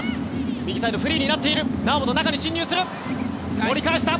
右サイド、フリーになっている猶本、中に進入する折り返した。